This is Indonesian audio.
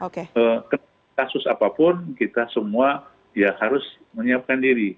karena kasus apapun kita semua ya harus menyiapkan diri